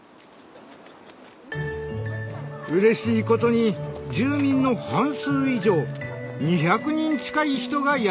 うれしいことに住民の半数以上２００人近い人がやって来たのです。